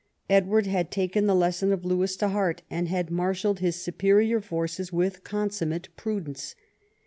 Edward had taken the lesson of Lewes to heart, and had marshalled his superior forces with consummate prudence.